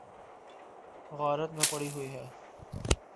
غارت میں پڑی ہوئی ہے۔